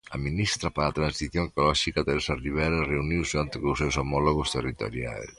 A ministra para a Transición Ecolóxica, Teresa Ribera, reuniuse onte cos seus homólogos territoriais.